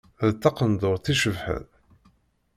D taqenduṛt icebḥen.